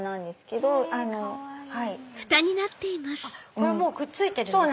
これくっついてるんですか？